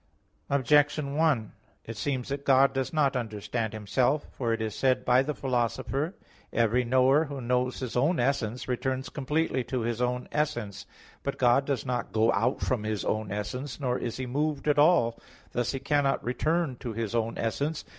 Objection 1: It seems that God does not understand Himself. For it is said by the Philosopher (De Causis), "Every knower who knows his own essence, returns completely to his own essence." But God does not go out from His own essence, nor is He moved at all; thus He cannot return to His own essence.